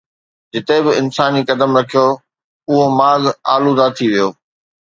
جتي به انسان قدم رکيو، اُهو ماڳ آلوده ٿي ويو